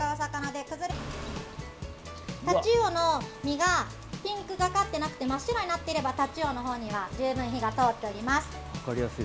タチウオの身がピンクがかってなくて真っ白になっていればタチウオのほうには十分火が通っております。